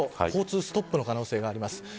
交通ストップの可能性があります。